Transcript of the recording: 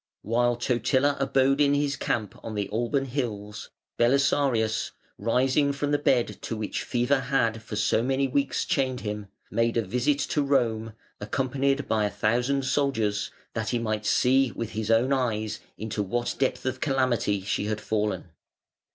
While Totila abode in his camp on the Alban Hills, Belisarius, rising from the bed to which fever had for so many weeks chained him, made a visit to Rome, accompanied by a thousand soldiers, that he might see with his own eyes into what depth of calamity she had fallen.